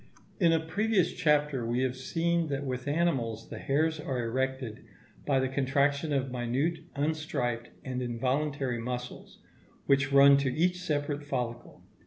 In a previous chapter we have seen that with animals the hairs are erected by the contraction of minute, unstriped, and involuntary muscles, which run to each separate follicle.